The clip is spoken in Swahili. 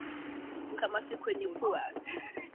Kamasi kwenye pua